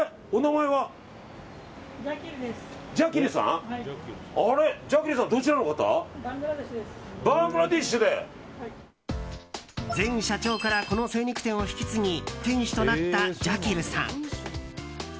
前社長からこの精肉店を引き継ぎ店主となったジャキルさん。